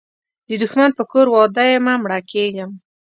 د دښمن په کور واده یمه مړه کیږم